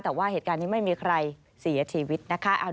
แต่ว่าเหตุการณ์นี้ไม่มีใครเสียชีวิตนะคะ